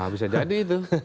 bisa jadi itu